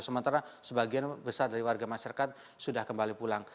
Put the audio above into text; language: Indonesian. sementara sebagian besar dari warga masyarakat sudah kembali pulang